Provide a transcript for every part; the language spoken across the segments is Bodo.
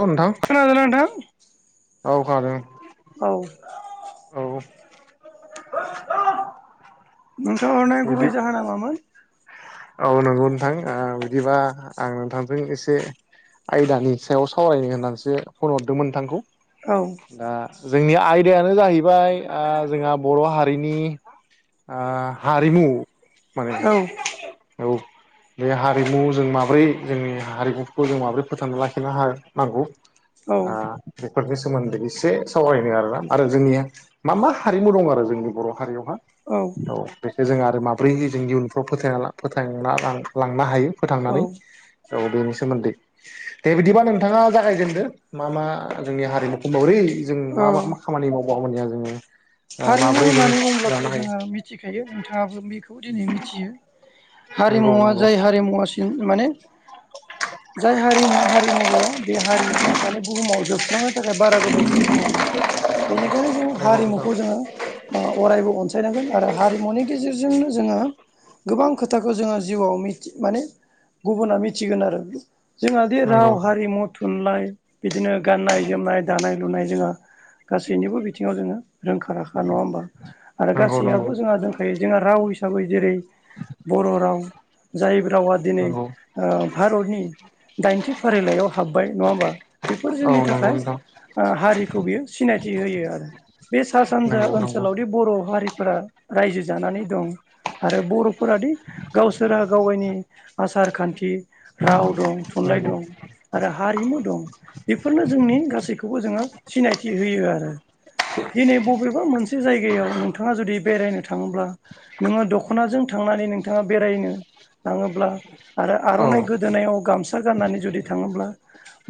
औ नोंथां। खोनादों ना नोंथां? औ खोनादों। औ औ नोंथाङा हरनाय बिदि गुबै जाहोना मामोन? औ नंगौ नोंथां बिदिबा आं नोंथांजों एसे आयदानि सायाव सावरायनो होननानैसो फन हरदोंमोन नोंथांखौ औ दा जोंनि आयदायानो जाहैबाय जोंहा बर' हारिनि हारिमु माने औ [unintelligible] औ बे हारिमु जों माबोरै जोंनि हारिमुखौ जों माबोरै फोथांना लाखिनो हागोन औ बेफोरनि सोमोन्दै एसे सावरायनो आरोना आरो जोंनिया [unintelligible] मा मा हारिमु दं आरो जोंनि बर' हारियावहा औ औ बेखौ जों आरो माबोरै जों इयुनफ्राव फोथायना फोथांना ला लांनो हायो औ फोथांनानै औ बेनि सोमोन्दै। दे बिदिबा नोंथाङा जागायजेनदो मा मा जोंनि हारिमुखौ मोबोरै जों औ मा मा मा खामानि मावबा मोजां जोङो हारिमु माब्रै जों होन्नानै लानो बुंबोब्लाथ' हायो जोङो मिथिखायो नोंथाङाबो बेखौ दिनै मिथियो नंगौ हारिमुवा नंगौ जाय हारिमुवा जों माने [inaudible] जाय हारिमुवा हारिमु गैया बे हारिया माने बुहुमाव जोब सुस्रांनो थाखाय बारा गोबाव सम नाङा बेनिखायनो जों हारिमुखौ ओ अरायबो अनसायनांगोन आरो हारिमुनि गेजेरजोंनो जोङो गोबां खोथाखौ जोङो जिउआव माने गुबुना मिथिगोन आरो। जोंहा बे राव, हारिमु, थुनलाइ बिदिनो गाननाय जोमनाय दानाय लुनाय जोंहा गासैनिबो बिथिङाव जोङो रोंखा राखा नङा होमबा। आरो नंगौ गासैआबो नोंथां जोंहा दंखायो जोंहा राव हिसाबै जेरै बर' राव जाय रावा दिनै ओ भारतनि दाइनथि फारिलाइयाव हाब्बाय नङा होमबा बेफोर जोंनि नंगौ नंगौ थाखाय हारिखौ बियो सिनायथि होयो आरो। बे सा सानजा ओनसोलावदि बर' हारिफोरा रायजो जानानै दं। आरो बर'फोरादि गावसोरा गावाइनि आसार खान्थि राव दं थुनलाइ नंगौ दं आरो हारिमु दं बेफोरनो जोंनि गासैखौबो जोङो सिनायथि होयो आरो। दिनै बबेबा मोनसे जायगायाव नोंथाङा जुदि बेरायनो थाङोब्ला नोङो दख'नाजों थांनानै नोंथाङा बेरायनो लााङोब्ला आरो औ आर'नाइ गोदोनायाव गामसा गाननानै जुदि थाङोब्ला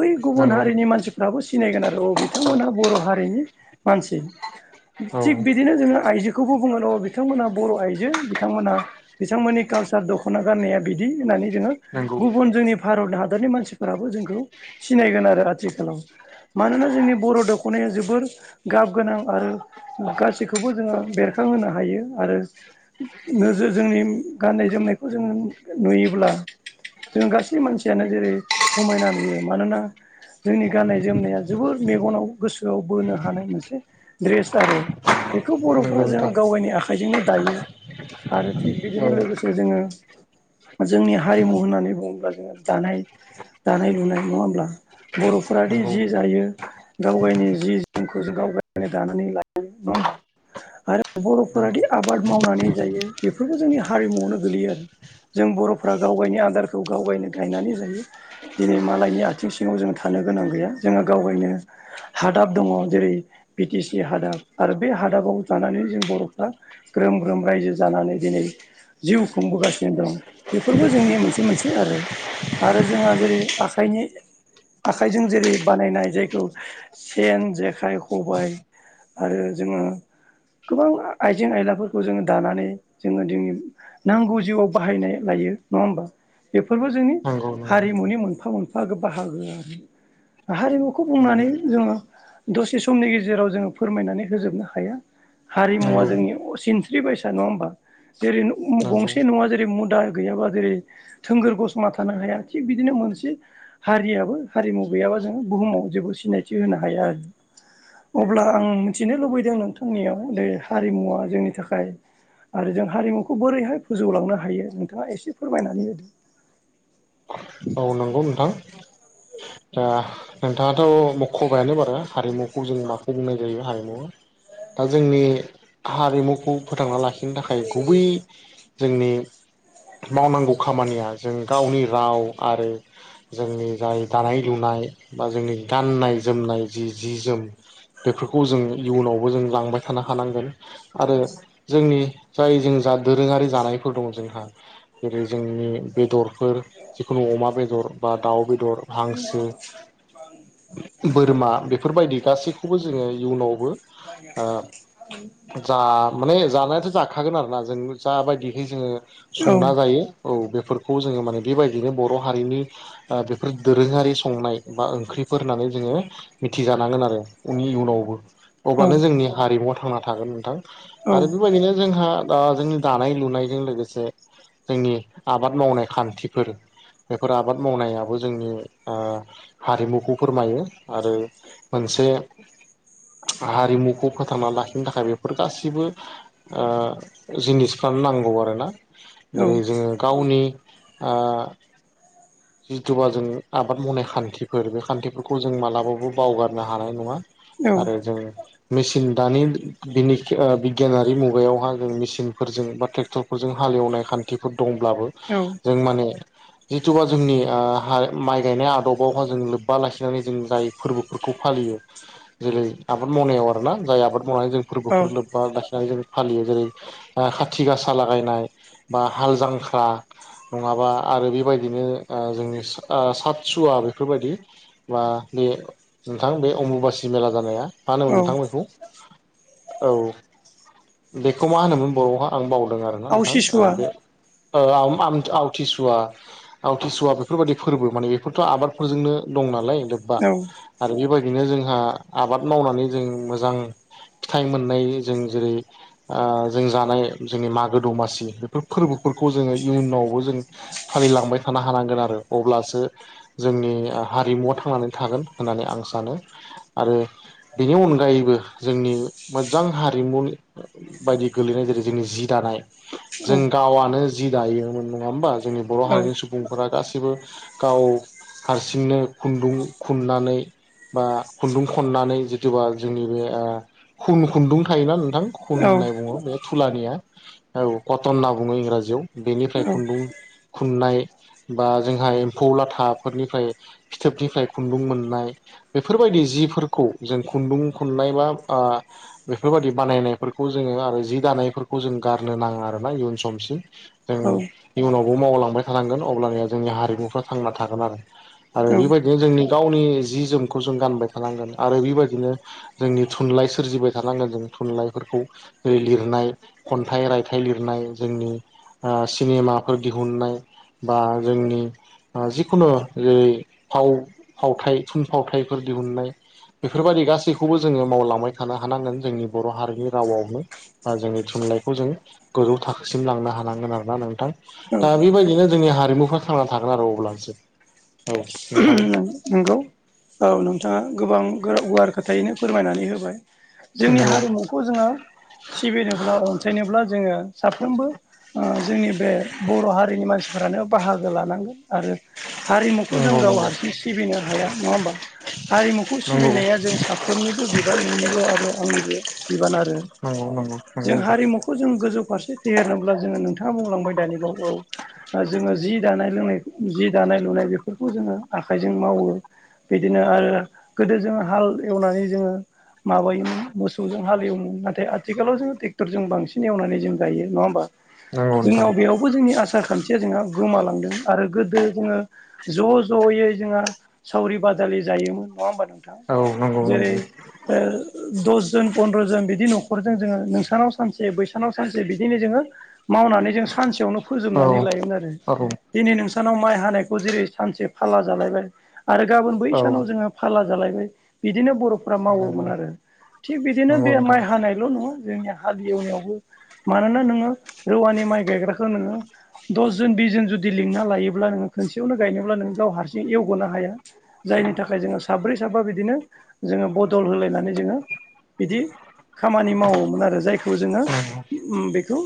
बै गुबुन नंगौ नोंथां नंगौ हारिनि मानसि दाबो सिनायगोन आरो औ बिथांमोनहा बर' हारिनि मानसि। औ नंगौ औ थिग बिदिनो जोङो आइजोखौबो बुङो र' बिथांमोनहा बर' आइजो बिथांमोना बिथांमोननि कालसार दख'ना गाननाया बिदि होननानै जोङो नंगौ गुबुन जोंनि भारत हादरनि मानसिफोराबो जोंखौ सिनायगोन आरो आथिखालाव। मानोना जोंनि बर' दख'नाया जोबोर गाब गोनां आरो गासैखौबो जोङो बेरखांहोनो हायो आरो नोजोर जोंनि गाननाय जोमनायखौ जोङो नुयोब्ला जों गासै मानसियानो जेरै समायना नुयो मानोना जोंनि गाननाय - जोमनाया जोबोर मेगनाव गोसोआव बोनो हानाय मोनसे द्रेस आरो बेखौ नंगौ बर'फ्रा जों नोंथां गाव गावनि आखाइजोंनो दायो‌। आरो थिग औ बिदिनो लोगोसे जोङो जोंनि हारिमु होननानै बुङोब्ला जोङो दानाय दानाय लुनाय नङा होमब्ला बर'फोरााद नंगौ जि जायो गाव गावनि जि जोमखौ जों गाव गावनो दानानै लायो नङा होमबा। आरो नंगौ बर'फोराादि आबाद मावनानै जायो बेफोरबो जोंनि हारिमुआवनो गोलैयो आरो। जों बर'फ्रा गाव गायनि आदारखौ गाव गायनो गायनानै जायो। दिनै मालायनि आथिं सिङाव जों थानो गोनां गैया जोङो गावायनो हादाब दङ जेरै बि टि सि हादाब आरो बे हादाबाव जानानै जों बर'फ्रा ग्रोम - ग्रोम रायजो जानानै दिनै जिउ खुंबोगासिनो दं बेफोरबो जोंनि मोनसे मोनसे आरो आरो जोंहा जेरै आखाइनि आखाइजों जेरै बानायनाय जायखौ सेन, जेखाइ खबाय आरो जोङो गोबां आइजें- आयलाफोरखौ जोङो दानानै जोङो दि नांगौ जिउआव बाहायनाय लायो नङा होमबा बेफोरबो जोंनि नंगौ नंगौ हारिमुनि मोनफा -मोनफा बाहागो आरो हारिमुखौ बुंनानै जों समनि गेजेराव जोङो फोरमायनानै होजोबनो हाया। हारिमुवा नंगौ नंगौ जोंनि सिनस्रि बसा नङा होमबा जेरै गंसे नङा जेरै मुदा गैयाबा जेरै थोंगोर गसमा थानो हाया थिग बिदिनो मोनसे हारियाबो हारिमु गैयाबा जोङो बुहुमाव जेबो सिनायथि होनो हाया आरो। अब्ला आं मिथिनो लुबैदों नोंथांनियाव बेे हारिमुवा जोंनि थाखाय आरो जों हारिमुखौ बोरैहाय फोजौलांनो हायो नोंथाङा एसे फोरमायनानै होदों। औ नंगौ नोंथां। ओ नोंथाङाथ' मख'बायानो बार हारिमु खौ जों माखौ बुंनाय जायो हारिमु दा जोंनि हारिमुखौ फोथांना लाखि नि थाखाय गुबै जोंनि मावनांगौ खामानिया जों गावनि राव आरो जोंनि जाय दानाय-लुनाय बा जोंनि गाननाय जोमनाय जि जि जोम बेफोरखौ जों इयुनावबो जों लांबाय थानो हानांगोन आरो जोंनि जाय जों दोरोङारि जानायफोर दङ जोंहा जेरै जोंनि बेदरफोर जिखुनु अमा बेदर बा दाउ बेदर हांसो बोरमा [inaudible] बेफोरबायदि गासैखौबो जोङो इयुनावबो ओ [inaudible] जा माने जानायाथ' जाखागोन आरोना जों जाबायदिहै जोङो संना जायो। औ बेफोरखौ जोङो माने बेबायदिनो बर' हारिनि ओ बेफोर दोरोङारि संनाय बा ओंख्रिफोर होननानै जोङो मिथिजानांगोन आरो उनि इयुनावबो औ अब्लानो जोंनि हारिमुआव थांना थागोन नोंथां औ आरो बेबायदिनो जोंहा दा जोंनि दानाय लुनायजों लोगोसे जोंनि आबाद मावनाय खान्थिफोर बेफोर आबाद मावनाया खौ जोंनि ओ हारिमुखौ फोरमायो आरो मोनसे हारिमुखौ फोथांना लाखिनो थाखाय बेफोर गासिबो ओ जिनिसफ्रानो नांगौ आरो ना औ जेरै जोङो गावनि ओ जिथुबा जों आबाद मावनाय खान्थिफोर बे खान्थिफोरखौ जों मालाबाबो बावगारनो हानाय नङा। आरो जों मेचिन दानि बिनि ओ बिगियानारि मुगायावहा जों मेसिनफोरजों बा ट्रेक्टरफोरजों हालेवनाय खान्थिफोर दंब्लाबो। औ जों माने जिथुबा जोंनि माइ गायनाय आदबावहााय जों लोब्बा लाखिनानै जों जाय फोरबोफोरखौ फालियो। जेरै आबाद मावनायाव आरो ना जाय आबाद मावनानै जों औ फोरबोफोर लोब बा लाखिनानै जों फालियो जेरै खाथि गासा लागायनाय बा हाल जांख्रा नङाबा आरो बेबायदिनो ओ जोंनि सतसुवा ओ बेफोरबायदि बा बे नोंथां बे अमबुबासि मेला जानाया मा होनोमोन औ नोंथां बेखौ। औ बेखौ मा होनोमोन बराव आं बावदों आरो नोंथां आवसिसुवा बे आव आवथिसुवा आवथिसुवा बेफोरबायाददि फोरबो माने बेफोरथ' आबादफोरजोंनो दं नालाय लोब्बा औ आरो बेबायदिनो जोंहा आबाद मावनानै जों मोजां फिथाइ मोननाय जों जेरै ओ जों जानाय जोंनि मागो दमासि बेफोर फोरबोफोरखौ जोङो इयुनावबो जों फालिलांबाय थानो हानांगोन आरो अब्लासो जोंनि हारिमुवआव थांनानै थागोन होननानै आं सानो आरो बेनि अनगायैबो जोंनि मोजां हारिमु बायदि गोलैनाय जेरै जोंनि जि दानाय औ जों गावआनो जि दायोमोन नङा होमबा जोंनि बर' औ हारिनि सुबुं सुबुंफोरा गासैबो गाव हारसिंनो खुन्दुं खुननानै बा खुन्दुं खननानै जिथबा जोंनि बे ओ खुन खुन्दुं थायोना नोंथां खुन होननाय औ बुङो बे थुलानिया औ कटन होनना बुङो इंराजियाव बेनिफ्राय खुन्दुं खुननाय बा जोंहा एम्फौ लाथाफोरनिफ्राय फिथोबनिफ्राय खुन्दुं मोननाय बेफोरबायदि जिफोरखौ जों खुन्दुं खुननाय बा ओ बेफोरबायदि बानायनायफोरखौ जोङो आरो जि दानायफोरखौ जों गारनो नाङा आरोना इयुन समसिम। जों औ इयुनावबो मावलांबाय थानांगोन अबब्लानिया जोंनि हारिमुफ्रा थांना थागोन आरो। आरो बेबायदिनो जोंनि गावनि जि जोमखौ जों गानबाय थानांगोन आरो बेबायदिनो जोंनि थुनलाइ सोरजिबाय थानांगोन जों थुनलाइफोरखौ ऐ लिरनाय खन्थाइ रायथाइ लिरनाय जोंनि सिनेमाफोर दिहुनन्नाय बा जोंनि जिखुनु ओय फाव फावथाइ थुनफावथायफोर दिहुननाय बेफोरबायदि गासैखौबो जोङो मावलांबाय थानो हानांगोन जोंनि बर' हारिनि रावआवनो। ओ जोंनि थुनलाइखौ जों गोजौ थाखोसिम लांनो हानांगोन आरो ना नोंथां। औ दा बेबायदिनो जोंनि हारिमुफ्रा थांना थागोन आरो अब्लानोसो नों-नोंगौ औ नोंथाङा गोबां गुवार खोथायैनो फोरमायनानै होबाय जोंनि नंगौ हारिमु खौ जोङो सिबिनोब्ला अनसायनोब्ला जोङो साफ्रोमबो ओ जोंनि बे बर' हारिनि मानसिफोरानो बाहागो लानांगोन आरो हारिमुखौ जों नंगौ गाव नंगौ हारसिं सिबिनो हाया नङा होमबा हारिमुखौ सिबिनाया जों सा गासैनिबो बिबान नोंनिबो आरो आंनिबो बिबान आरो नोंगौ नोंगौ नों गौ नोंथां खौ जों गोजौ फारसे फेहेरनोब्ला जोङो नोंथाङा बुंलांबाय दालिगावखौ औ ओ जोङो जि दानाय-लोंनाय जि दानाय-लुनाय बेफोरखौ जोङो आखाइजों मावो बिदिनो ओ गोदो जों हाल एवनानै जोंङो माबायोमोन मोसौजों हालेवोमोन नाथाय आथिखालाव जोंङो ट्रेक्टरजों बांसिन एवनानै जों गायो नंङा होमबा? नंगौ नोंथां जोंनाव बेयावबो जोंनि आसार खान्थिया जोंहा गोमालांदों आरो गोदो जोंङो ज' ज'यै जोंहा सावरि बादालि जायोमोन नंङा होमबा नोंथां औ नंगौ जेरै नंगौ ओ दसजन फन्द्र' जन बिदि न'खरजों जोंङो नोंसानाव सानसे बैसानाव सानसे बिदिनो जोंङो मावनानै जों सानसेयावनो औ फोजोबनानै लायोमोन आरो औ दिनै नोंसानाव माइ हानायखौ जेरै सानसे फाला जालायबाय आरो गाबोन बै औ सानाव जोंङो फाला जालायबाय बिदिनो बर' नंगौ मावोमोन आरो थिग बिदिनो नंगौ बे माइ नोंथां हानायल' नङा जोंनि हाल एवनायावबो मानोना नोंङो रौवानि माइ गायग्राखौ नोंङो दसजन बिस जोन जुदि लिंना लायोब्ला नोंङो खोनसेयावनो गायनोब्ला नों गाव हारसिं एवगोनो हाया। जायनि थाखाय जोंङो साब्रै साबा बिदिनो जोंङो बदल होलायनानै जों बिदि खामानि मावोमोन आरो जायखौ जोंङो नंगौ बेखौ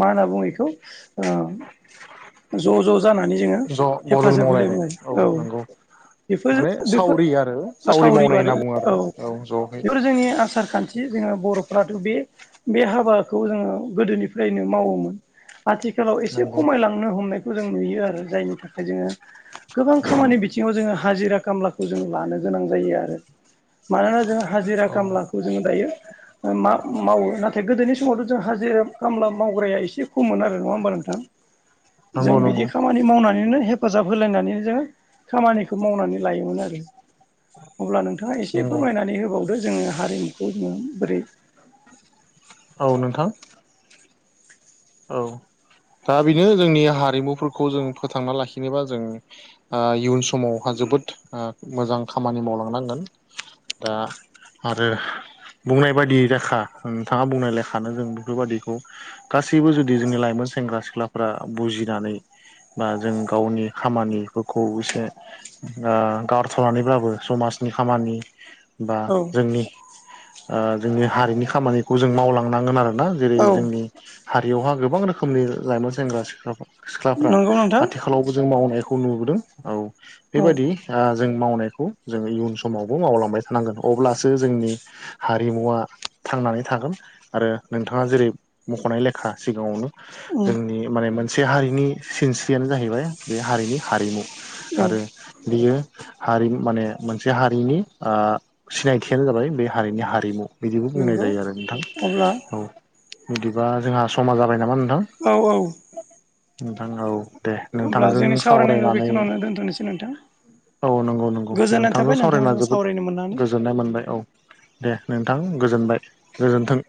मा होनना बुंङो बेखौ ओ ज' ज' जानानै जोंङो ज' बदल हेफाजाब मावलायनाय होलायबाय औ। नंगौ बेफोर माने बेफो सावरि आरो सावरि मावनाय बाद होनना बुङो आरोना औ ज'है बेफोर जों नि आसारखान्थि जोंङो बर'फ्राथ' बे बे हाबाखौ जोंङो गोदोनिफ्रायनो मावोमोन आथि खालाव एसे नंगौ खमायलांनो हमनायखौ जों नुयो आरो जायनि थाखाय जोंङो गोबां खामानि बिथिंङाव जोंङो हाजिरा खामलाखौ जों लानो गोनां जायो आरो। मानोना जोंङो हाजिरा औ खामलाखौ जोंङो दायो ओ मा मावो नाथाय गोदोनि समावथ' जों हाजिरा खामला मावग्राया एसे खममोन आरो नंङा होमबा नोंथां नंगौ जों नंगौ बिदि खामानि मावनानैनो हेफाजाब होलायनानैनो जोंङो खामानिखौ मावनानै लायोमोन आरो। अब्ला नोंथाङा एसे नंगौ फोरमायनानै होबावदो जोंङो हारिमुखौ जोंङो बोरै औ नोंथां। औ दा बेनो जोंनि हारिमुफोरखौ जों फोथांना लाखिनोबा जों ओ इयुन समावहा जोबोद ओ मोजां खामानि मावलांनांगोन दा आरो बुंनाय बायदि रेखा नोंथांङा बुंनाय लेखानो जों बेफोरबायदिखौ गासै सैबो जुदि जोंनि लाइमोन सेंग्रा सिख्लाफ्रा बुजिनानै बा जों गावनि खामानिफोरखौ एसे ओ गारथ'नानैब्लाबो समाजनि खामानि बा औ जोंनि ओ जोंनि हारिनि खामानिखौ जों मावलांनांगोन आरोना जेरै औ जोंनि हारियावहा गोबां रोखोमनि लाइमोन सेंग्रा- सिख्ला सिख्लाफोरा नंगौ आथिखाल नोंथां आथिखालावबो जों मावनायखौ नुबोदों औ औ बेबायदि ओ जों मावनायखौ जोंङो इयुन समावबो मावलांबाय थानांगोन अब्लासो जोंनि हारिमुवा थांनानै थागोन आरो नोंथांङा जेरै मख'नाय लेखा खा सिगाङावनो उम जोंनि माने मोनसे हारिनि सिनस्रियानो जाहैबाय बे हारिनि हारिमु औ आरो बियो हारि माने मोनसे हारिनि ओ सिनायथियानो जाबाय बे हारिनि हारिमु बिदिबो बुंनाय नंगौ जायो आरो नोंथां अब्ला औ बिदिबा जोंहा समा जाबाय नामा नोंथां? औ औ। नोंथां औ दे। होमब्ला नोंथांजों जोंनि सावरायनायखौ सावरायनानै बेखिनियावनो दोनथ'नोसै नोंथां। औ नंगौ नंगौ गोजोननाय नोंथांजों थाबाय सावरायना जोबोद सावरायनो मोननानै गोजोननाय मोनबाय औ। दे नोंथां गोजोनबाय गोजोन्थों।